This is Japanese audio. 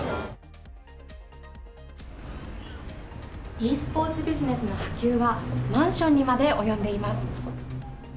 ｅスポーツビジネスの波及はマンションにまで及んでいます。